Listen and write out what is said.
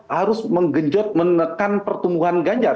harus menggenjot menekan pertumbuhan ganjar